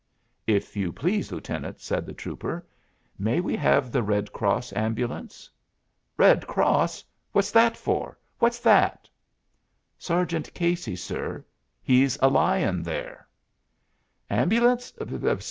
"If you please, Lieutenant," said the trooper, "may we have the Red Cross ambulance?" "Red Cross? What's that for? What's that?" "Sergeant Casey, sir. He's a lyin' there." "Ambulance?